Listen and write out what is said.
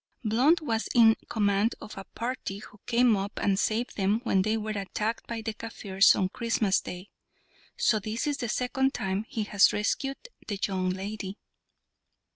Blunt was in command of a party who came up and saved them when they were attacked by the Kaffirs on Christmas Day. So this is the second time he has rescued the young lady."